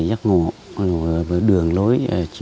giác ngộ với đường lối